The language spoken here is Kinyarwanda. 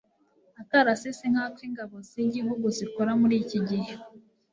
akarasisi nk'ako ingabo z'igihugu zikora muri iki gihe